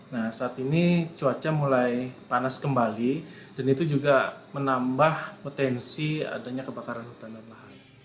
nah saat ini cuaca mulai panas kembali dan itu juga menambah potensi adanya kebakaran hutan dan lahan